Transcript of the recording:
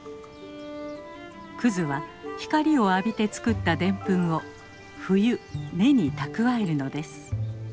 クズは光を浴びて作ったデンプンを冬根に蓄えるのです。